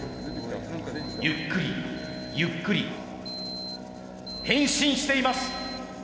ゆっくりゆっくり変身しています。